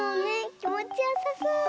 きもちよさそう！